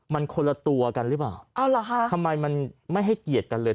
มันคนละตัวกันหรือเปล่าเอาเหรอคะทำไมมันไม่ให้เกียรติกันเลย